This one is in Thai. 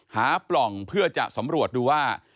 ปล่องเพื่อจะสำรวจดูว่า